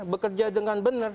bekerja dengan benar